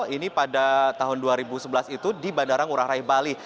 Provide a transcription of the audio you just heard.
ini pada tahun dua ribu sebelas itu di bandarang urah raih bali